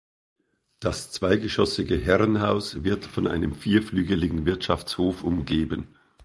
Das zweigeschossige Herrenhaus wird von einem vierflügeligen Wirtschaftshof umgeben.